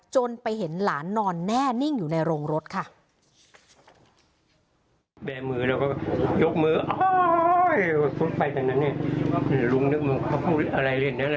จนไปเห็นหลานนอนแน่นิ่งอยู่ในโรงรถค่ะ